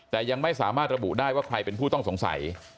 แต่ยังไม่สามารถระบุได้ว่าใครเป็นผู้ต้องสงสัย